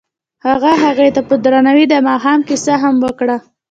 هغه هغې ته په درناوي د ماښام کیسه هم وکړه.